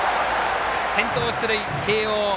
先頭出塁、慶応。